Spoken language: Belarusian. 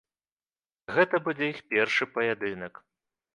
Гэта будзе іх першы паядынак.